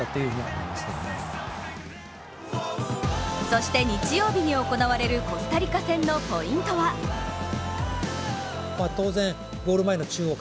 そして日曜日に行われるコスタリカ戦のポイントは僕は特に三笘ですね。